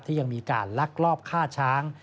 ยังมีการลักลอบฆ่าช้าง